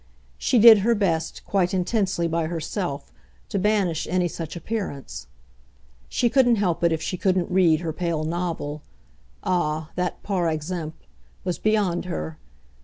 She did her best, quite intensely, by herself, to banish any such appearance; she couldn't help it if she couldn't read her pale novel ah, that, par exemple, was beyond her!